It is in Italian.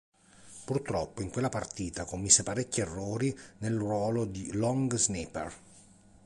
Purtroppo in quella partita commise parecchi errori nel ruolo di long snapper.